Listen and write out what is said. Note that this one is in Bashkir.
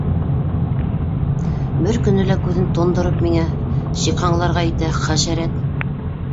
Бер көнө лә күҙен тондороп миңә шиҡаңларға итә, хәшәрәт.